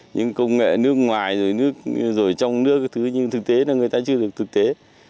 những công nghệ nước ngoài rồi nước rồi trong nước các thứ nhưng thực tế là người ta chưa được thực tế